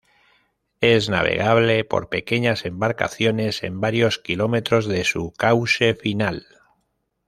Es navegable por pequeñas embarcaciones en varios kilómetros de su cause final.